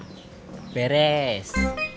gua agak keras